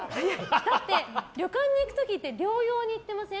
だって旅館に行く時って療養に行ってません？